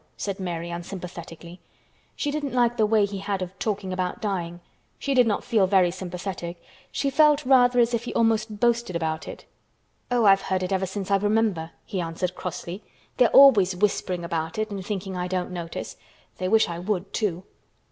said Mary unsympathetically. She didn't like the way he had of talking about dying. She did not feel very sympathetic. She felt rather as if he almost boasted about it. "Oh, I've heard it ever since I remember," he answered crossly. "They are always whispering about it and thinking I don't notice. They wish I would, too."